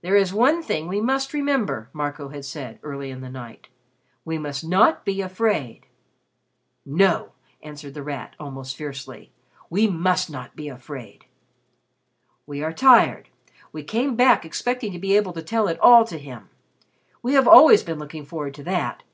"There is one thing we must remember," Marco had said, early in the night. "We must not be afraid." "No," answered The Rat, almost fiercely, "we must not be afraid." "We are tired; we came back expecting to be able to tell it all to him. We have always been looking forward to that.